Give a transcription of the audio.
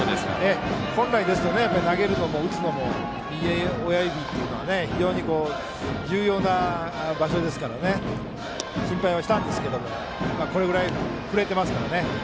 本来ですと、投げるのも打つのも右親指というのは非常に重要な場所ですから心配はしたんですが振れていますからね。